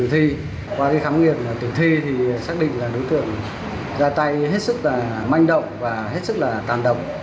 hai hết sức là manh động và hết sức là tàn động